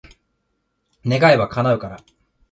願えば、叶うから。